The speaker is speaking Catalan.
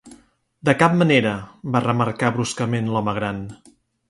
"De cap manera", va remarcar bruscament l'home gran.